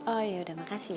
oh yaudah makasih ya